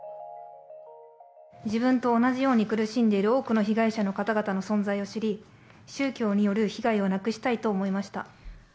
自分と同じように苦しんでいる多くの被害者の方々の存在を知り、宗教による被害をなくしたいと思いました。